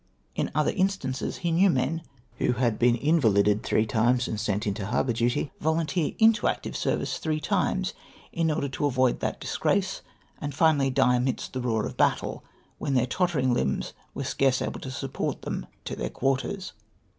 In other instances he knew men, who had been invalided three times and sent into harbour duty, volunteer into active service three times, in order to avoid that disgrace, and finally die amidst the roar of battle, when their tottering limbs were scarce able to support them to their quarters.